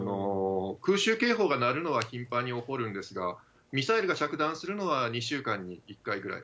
空襲警報が鳴るのは頻繁に起こるんですが、ミサイルが着弾するのが２週間に１回ぐらい。